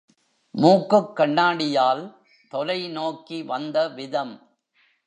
மூக்குக் கண்ணாடியால், தொலை நோக்கி வந்த விதம்!